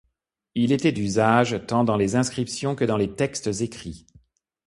Il était d'usage tant dans les inscriptions que dans les textes écrits.